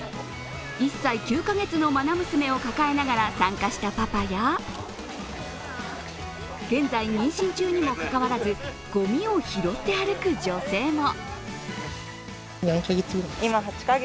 １歳９カ月のまな娘を抱えながら参加したパパや現在妊娠中にもかかわらずごみを拾って歩く女性も。